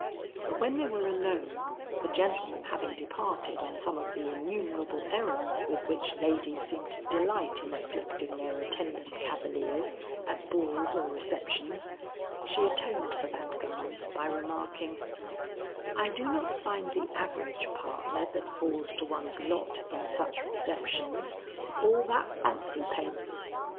But when they were alone, the gentleman having departed on some of the innumerable errands with which ladies seem to delight in afflicting their attendant cavaliers at balls or receptions, she atoned for that glance by remarking, "I do not find the average partner that falls to one's lot in such receptions all that fancy paints."